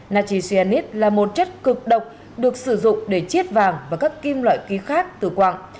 natri cyanide là một chất cực độc được sử dụng để chiết vàng và các kim loại ký khác từ quạng